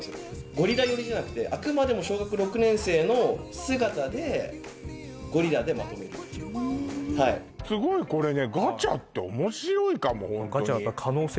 ゴリラ寄りじゃなくてあくまでも小学６年生の姿でゴリラでまとめるっていうすごいこれね